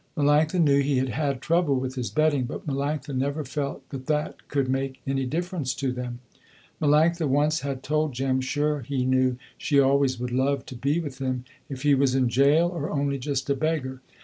Melanctha knew he had had trouble with his betting but Melanctha never felt that that could make any difference to them. Melanctha once had told Jem, sure he knew she always would love to be with him, if he was in jail or only just a beggar.